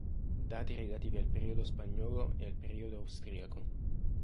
Dati relativi al periodo spagnolo e al periodo austriaco.